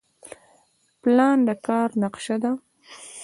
پلان د کار نقشه ده